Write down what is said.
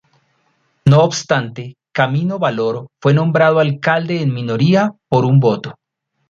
No obstante, Camilo Valor fue nombrado alcalde en minoría por un voto.